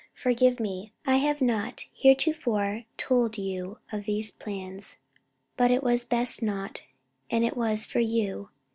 Forgive me; I have not Heretofore told you of these Plans, but it was best not and it was for You.